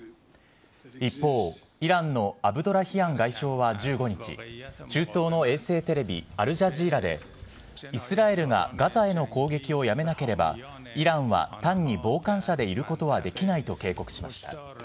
一方、イランのアブドラヒアン外相は１５日、中東の衛星テレビ、アルジャジーラで、イスラエルがガザへの攻撃をやめなければ、イランは単に傍観者でいることはできないと警告しました。